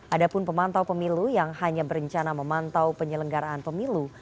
ada pun pemantau pemilu yang hanya berencana memantau penyelenggaraan pemilu